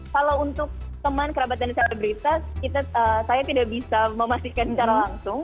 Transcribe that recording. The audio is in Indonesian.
kalau untuk teman kerabat dan selebritas saya tidak bisa memastikan secara langsung